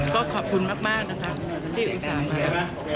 ก็ขอบคุณมากนะคะที่อยู่ที่สามครับ